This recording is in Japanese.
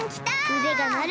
うでがなる！